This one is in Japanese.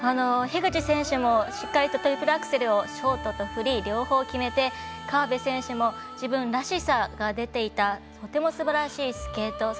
樋口選手もしっかりとトリプルアクセルをショートとフリー両方決めて河辺選手も自分らしさが出ていたすばらしいスケート。